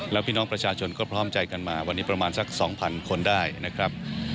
แล้วพี่น้องประชาชนก็พร้อมใจกันมาวันนี้ประมาณสัก๒๐๐คนได้นะครับ